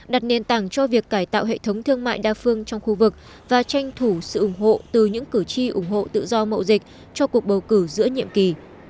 đặt nền tảng cho việc cải tạo hệ thống thương mại đa phương trong khu vực và tranh thủ sự ủng hộ từ những cử tri ủng hộ tự do mậu dịch cho cuộc bầu cử giữa nhiệm kỳ